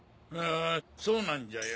そうなんじゃよ